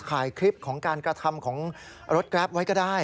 ถ่ายคลิปของการกระทำของรถแกรปไว้ก็ได้